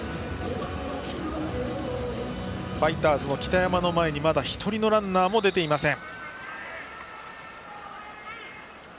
ファイターズの北山の前に１人のランナーも出ていません。